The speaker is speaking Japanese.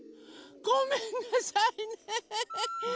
ごめんなさいね。